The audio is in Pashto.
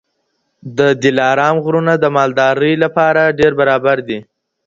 د دلارام غرونه د مالدارۍ لپاره ډېر برابر دي